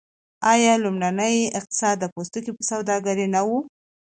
آیا لومړنی اقتصاد د پوستکي په سوداګرۍ نه و؟